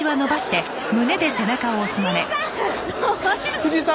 藤井さん！